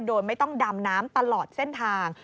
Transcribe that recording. โดยไม่ต้องดำน้ำตลอดเส้นทาง